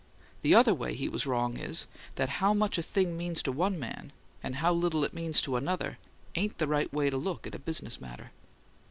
The other way he was wrong is, that how much a thing means to one man and how little it means to another ain't the right way to look at a business matter."